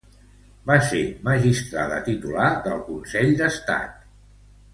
Va ser magistrada titular del Consell d'Estat.